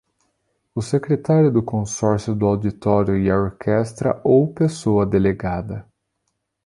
O Secretário do Consórcio do Auditório e a orquestra ou pessoa delegada.